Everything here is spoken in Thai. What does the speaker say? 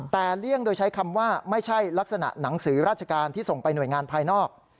แต่เลี่ยงโดยใช้คำว่าไม่ใช่ลักษณะหนังสือราชการที่ส่งไปหน่วยงานภายนอก